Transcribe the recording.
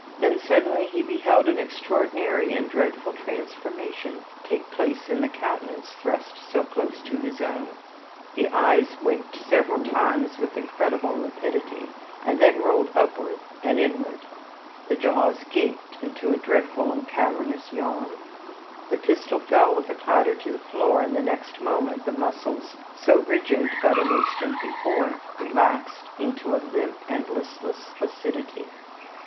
Then suddenly he beheld an extraordinary and dreadful transformation take place in the countenance thrust so close to his own; the eyes winked several times with incredible rapidity, and then rolled upward and inward; the jaws gaped into a dreadful and cavernous yawn; the pistol fell with a clatter to the floor, and the next moment the muscles, so rigid but an instant before, relaxed into a limp and listless flaccidity.